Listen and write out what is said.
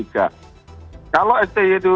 kalau sti itu